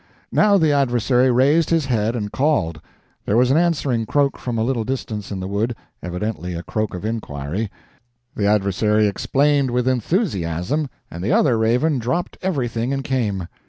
Now the adversary raised his head and called. There was an answering croak from a little distance in the wood evidently a croak of inquiry. The adversary explained with enthusiasm, and the other raven dropped everything and came.